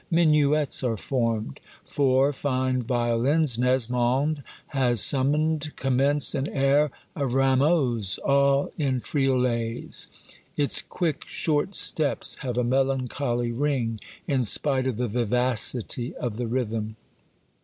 Minuets are formed. Four fine violins Nesmond has summoned com Yule Tide Stories. 257 mence an air of Rameau's, all in triolets; its quick, short steps have a melancholy ring in spite of the vivacity of the rhythm.